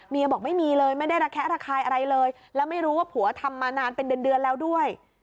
บอกไม่มีเลยไม่ได้ระแคะระคายอะไรเลยแล้วไม่รู้ว่าผัวทำมานานเป็นเดือนแล้วด้วย